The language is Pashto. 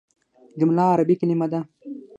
جمله عربي کليمه ده.